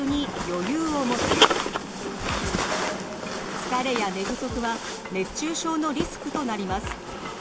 疲れや寝不足は熱中症のリスクとなります。